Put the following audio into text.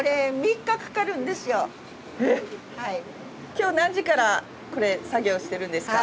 今日何時からこれ作業してるんですか？